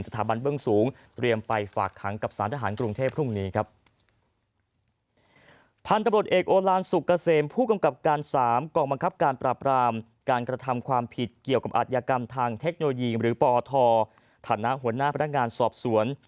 ทำความผิดเกี่ยวกับอัตยากรรมทางเทคโนโลยีหรือปธฐหัวหน้าพนักงานสอบสวน